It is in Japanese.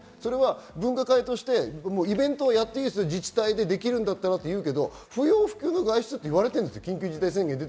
分科会としてイベントはやっていい、自治体でできるんだったらと言いますが、不要不急の外出って言われてるんですよ。